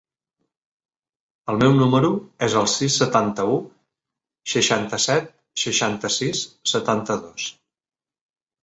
El meu número es el sis, setanta-u, seixanta-set, seixanta-sis, setanta-dos.